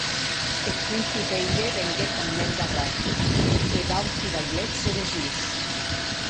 Eth confiteire venguec ath mèn darrèr, e d'auti vailets e vesins.